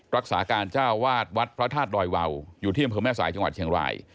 รักษาการเจ้าวาดวัดพระธาตุดอยวาวอยู่ที่อำเภอแม่สายจังหวัดเชียงราย